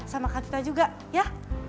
sama kak kita juga ya